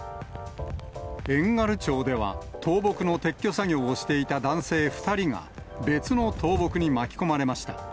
遠軽町では、倒木の撤去作業をしていた男性２人が別の倒木に巻き込まれました。